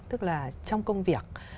tức là trong công việc